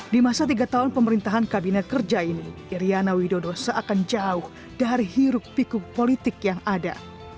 di masa tiga tahun pemerintahan kabinet kerja ini iryana widodo seakan jauh dari hiruk pikuk politik yang ada